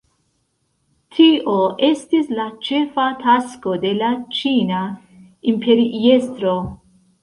Tio estis la ĉefa tasko de la ĉina imperiestro.